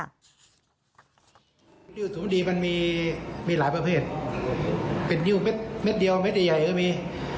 ยืดศูนย์ดีมันมีหลายประเภทเป็นนิ้วเด็ดเดียวเม็ดใหญ่ก็มี